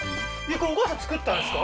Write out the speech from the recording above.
これお母さん作ったんですか？